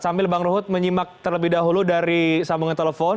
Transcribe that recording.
sambil bang ruhut menyimak terlebih dahulu dari sambungan telepon